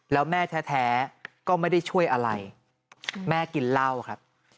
แล้วแม่แท้ก็ไม่ได้ช่วยอะไรแม่กินเหล้าครับ